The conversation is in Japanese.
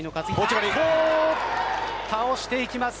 倒していきます。